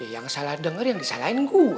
yang salah denger yang disalahin gue